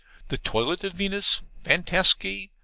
The toilet of Venus, Fantaski.